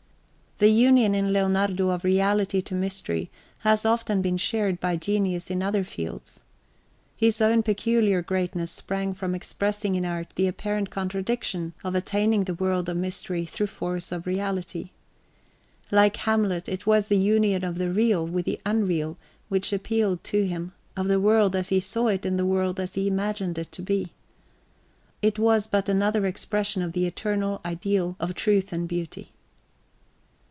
The union in Leonardo of reality to mystery has often been shared by genius in other fields. His own peculiar greatness sprang from expressing in art the apparent contradiction of attaining the world of mystery through force of reality. Like Hamlet, it was the union of the real with the unreal which appealed to him, of the world as he saw it and the world as he imagined it to be. It was but another expression of the eternal ideal of truth and beauty.